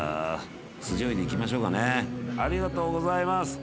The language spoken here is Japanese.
酢じょうゆでいきましょうかねありがとうございます。